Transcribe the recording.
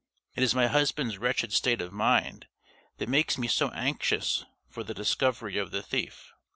It is my husband's wretched state of mind that makes me so anxious for the discovery of the thief.